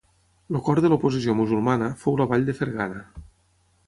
El cor de l'oposició musulmana fou la vall de Fergana.